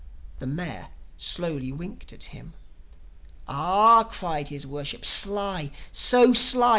The Mayor slowly winked at him. "Ah!" cried his Worship. "Sly; so sly!"